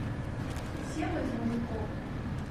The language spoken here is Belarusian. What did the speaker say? Усе мы з мужыкоў.